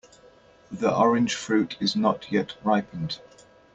The orange fruit is not yet ripened.